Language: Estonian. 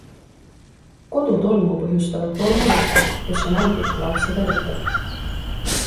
Kodutolmu põhjustavad tolmulestad, kes on ämblikulaadsed elukad.